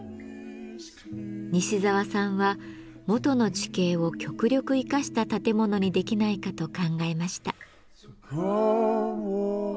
西沢さんは元の地形を極力生かした建物にできないかと考えました。